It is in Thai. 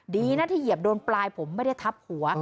ดีนะที่เหยียบโดนปลายผมไม่ได้ทับหัว